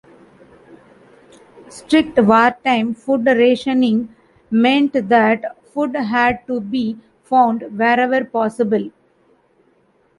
Strict wartime food rationing meant that food had to be found wherever possible.